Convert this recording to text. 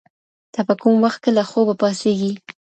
ته په کوم وخت کي له خوبه پاڅېږې؟